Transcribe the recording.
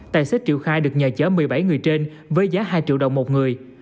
tài xế triệu khai được nhờ chở một mươi bảy người trên với giá hai triệu đồng một người